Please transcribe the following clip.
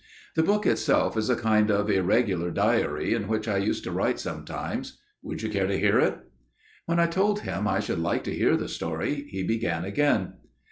The book itself is a kind of irregular diary in which I used to write sometimes. Would you care to hear it?" When I had told him I should like to hear the story, he began again.